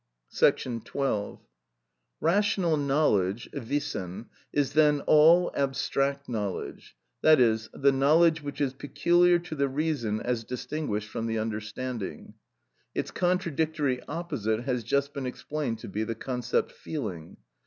§ 12. Rational knowledge (wissen) is then all abstract knowledge,—that is, the knowledge which is peculiar to the reason as distinguished from the understanding. Its contradictory opposite has just been explained to be the concept "feeling."